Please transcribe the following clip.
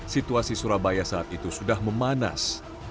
situasi surabaya saat itu sudah memanas